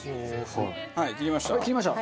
はい切りました。